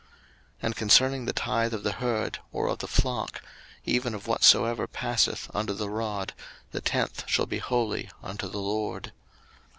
03:027:032 And concerning the tithe of the herd, or of the flock, even of whatsoever passeth under the rod, the tenth shall be holy unto the LORD.